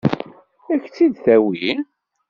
Ad k-tt-id-tawi?